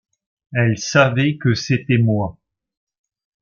Elle savait que c’était moi.